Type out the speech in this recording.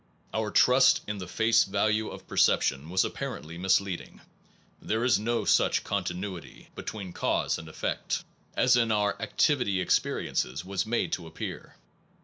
Our trust in the face value of perception was apparently misleading. There is no such continuity between cause and 215 SOME PROBLEMS OF PHILOSOPHY effect as in our activity experiences was made to appear.